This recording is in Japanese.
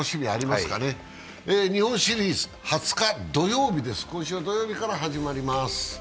日本シリーズ、２０日、今週の土曜日から始まります。